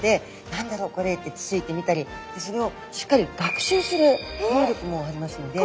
「何だろう？これ」ってつついてみたりそれをしっかり学習する能力もありますので。